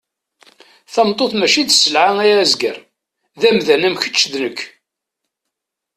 Tameṭṭut mači d selɛa ay azger, d amdan am keč d nek.